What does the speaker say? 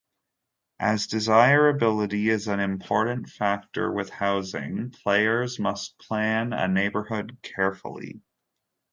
As desirability is an important factor with housing, players must plan a neighbourhood carefully.